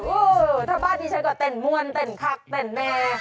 อู้วถ้าบ้านนี้ฉันก็เต่นมวนเต่นคักเต่นแมง